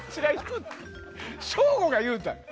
省吾が言うたんや！